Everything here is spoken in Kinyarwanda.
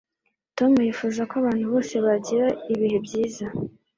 Tom yifuza ko abantu bose bagira ibihe byiza